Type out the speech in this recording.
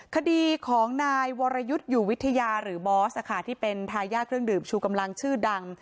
คดีของนายวรยุทธ์อยู่วิทยาหรือบอสที่เป็นทายาทเครื่องดื่มชูกำลังชื่อดัง